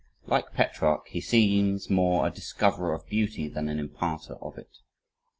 Like Petrarch he seems more a discoverer of Beauty than an imparter of it.